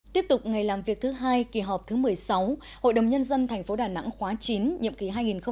tiếp tục ngày làm việc thứ hai kỳ họp thứ một mươi sáu hội đồng nhân dân tp đà nẵng khóa chín nhiệm kỳ hai nghìn một mươi sáu hai nghìn hai mươi một